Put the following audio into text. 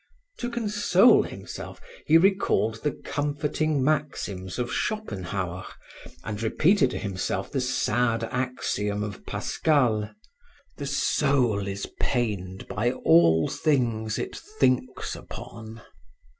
To console himself, he recalled the comforting maxims of Schopenhauer, and repeated to himself the sad axiom of Pascal: "The soul is pained by all things it thinks upon."